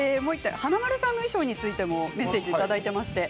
華丸さんの衣装ついてメッセージがきています。